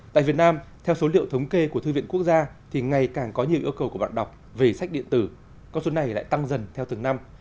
tại việt nam theo số liệu thống kê của thư viện quốc gia thì ngày càng có nhiều yêu cầu của bạn đọc về sách điện tử con số này lại tăng dần theo từng năm